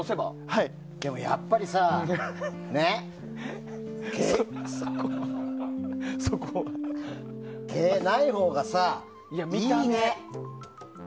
でも、やっぱりさ毛ないほうがいいね。